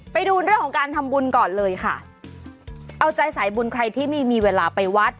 ไปดูเรื่องของการทำบุญก่อนเลยค่ะเอาใจสายบุญใครที่ไม่มีเวลาไปวัด